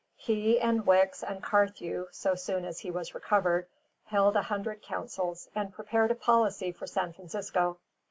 He and Wicks and Carthew (so soon as he was recovered) held a hundred councils and prepared a policy for San Francisco.